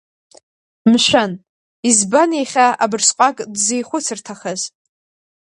Мшәан, избан иахьа абырсҟак дзихәыцырҭахаз?